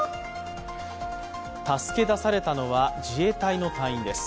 助け出されたのは自衛隊の隊員です。